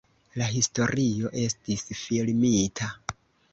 La historio estis filmita.